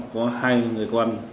có hai người con